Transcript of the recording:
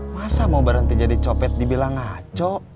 masa mau berhenti jadi copet dibilang ngaco